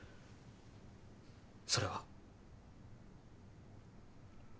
それは。